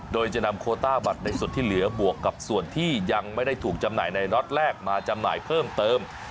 โดยจะนำโคต้าบัตรในส่วนที่เหลือบวกกับส่วนที่ยังไม่ได้ถูกจำหน่ายในน็อตแรกมาจำหน่ายเพิ่มเติม